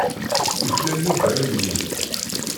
Yuklal Yuba ayenni.